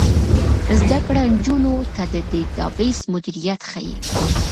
زده کړه نجونو ته د ډیټابیس مدیریت ښيي.